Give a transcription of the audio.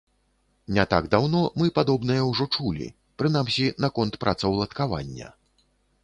Не так даўно мы падобнае ўжо чулі, прынамсі, наконт працаўладкавання.